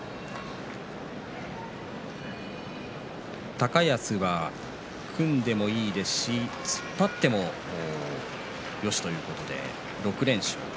高安は組んでもいいですし突っ張ってもよしということで６連勝。